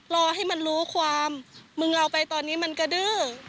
รอให้มันรู้ความมึงเราไปตอนนี้มันกระดื้อ